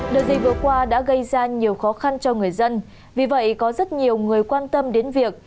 đợt dịch vừa qua đã gây ra nhiều khó khăn cho người dân vì vậy có rất nhiều người quan tâm đến việc